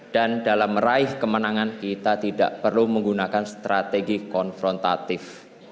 dan dalam meraih kemenangan kita tidak perlu menggunakan strategi konfrontatif